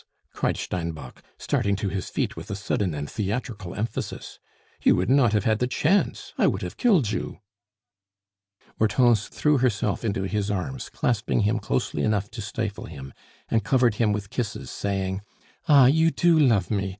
cried Steinbock, starting to his feet with a sudden and theatrical emphasis. "You would not have had the chance I would have killed you!" Hortense threw herself into his arms, clasping him closely enough to stifle him, and covered him with kisses, saying: "Ah, you do love me!